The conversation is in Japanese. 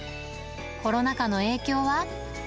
コロナ禍の影響は。